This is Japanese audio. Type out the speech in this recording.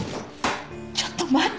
ちょっと待って。